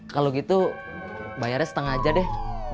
kalau gitu bayarnya setengah aja deh